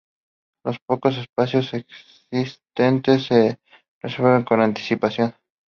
Los pocos espacios existentes se reservan con anticipación.